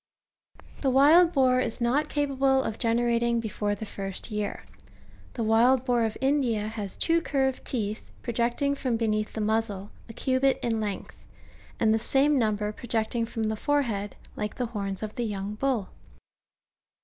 The wild boar is not capable of generating before the first 3'ear. The wild boar of India^^ has two curved teeth, project ing from beneath the muzzle, a cubit in length ; and the same number projecting from the forehead, like the horns of the young bull.